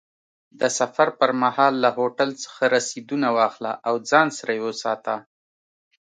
د سفر پر مهال له هوټل څخه رسیدونه واخله او ځان سره یې وساته.